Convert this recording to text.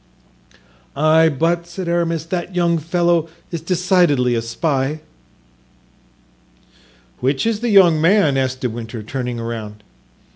"Ay, but," said Aramis, "that young fellow is decidedly a spy." "Which is the young man?" asked De Winter, turning around.